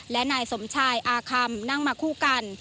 และนายสมชายอาคัมนั่งมาคู่กัน